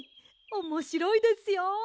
おもしろいですよ。